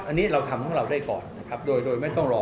อันนี้เราทำของเราได้ก่อนนะครับโดยไม่ต้องรอ